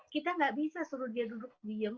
kita nggak bisa suruh dia duduk diem